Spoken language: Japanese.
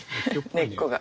根っこが。